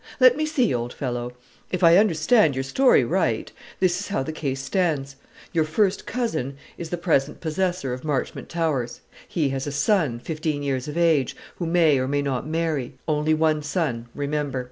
"Let me see, old fellow; if I understand your story right, this is how the case stands: your first cousin is the present possessor of Marchmont Towers; he has a son, fifteen years of age, who may or may not marry; only one son, remember.